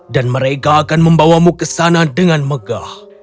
dan mereka akan membawamu ke sana dengan megah